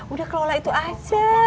udah kelola itu aja